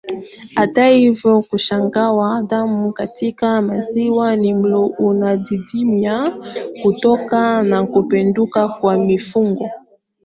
Hata hivyo kuchanganya damu katika maziwa ni mlo unaodidimia kutokana na kupunguka kwa mifugo